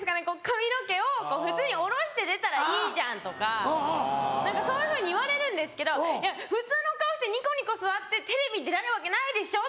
髪の毛を普通に下ろして出たらいいじゃんとかそういうふうに言われるんですけどいや普通の顔してニコニコ座ってテレビに出られるわけないでしょ。